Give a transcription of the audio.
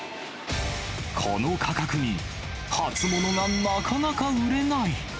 この価格に、初物がなかなか売れない。